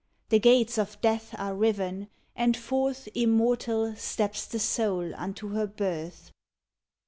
The gates of death are riven, And forth, immortal, steps the Soul unto her birth!